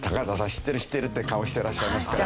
知ってる知ってるって顔してらっしゃいますから。